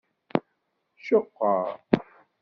Ceqqer.